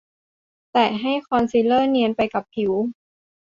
แตะให้คอนซีลเลอร์เนียนไปกับผิว